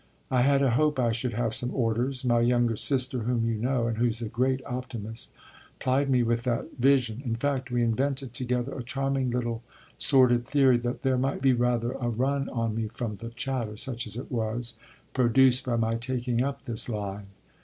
I had a hope I should have some orders: my younger sister, whom you know and who's a great optimist, plied me with that vision. In fact we invented together a charming little sordid theory that there might be rather a 'run' on me from the chatter (such as it was) produced by my taking up this line.